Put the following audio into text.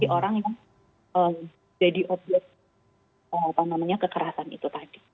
di orang yang jadi objek apa namanya kekerasan itu tadi